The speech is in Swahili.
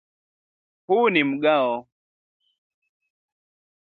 Huu ni mgao